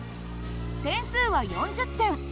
点数は４０点。